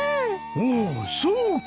おおそうか。